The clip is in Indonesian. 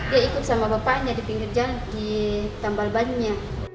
dia ikut sama bapaknya di pinggir jalan di tambal banyunya